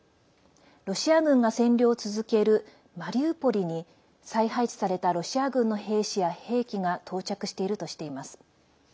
ロシア軍が占領を続けるマリウポリに再配置されたロシア軍の兵士や兵器が到着しているとしています。